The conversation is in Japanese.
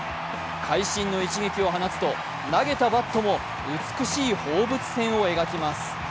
会心の一撃を放つと、投げたバットも美しい放物線を描きます。